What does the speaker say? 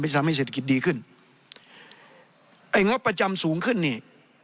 ทำให้เศรษฐกิจดีขึ้นไอ้งบประจำสูงขึ้นนี่